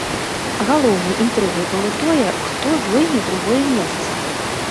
Галоўнай інтрыгай было тое, хто зойме другое месца.